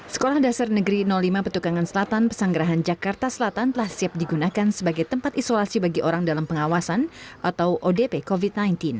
sekolah dasar negeri lima petukangan selatan pesanggerahan jakarta selatan telah siap digunakan sebagai tempat isolasi bagi orang dalam pengawasan atau odp covid sembilan belas